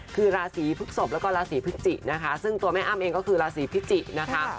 คือราศีพฤกษกแล้วก็ราศีพฤกจิกนะคะซึ่งตัวแม่อ้ำเองก็คือราศีพิจิกนะคะ